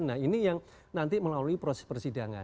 nah ini yang nanti melalui proses persidangan